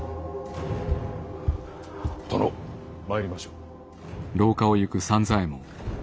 殿参りましょう。